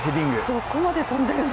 どこまで跳んでるの？